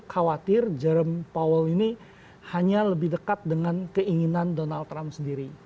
khawatir jerem powell ini hanya lebih dekat dengan keinginan donald trump sendiri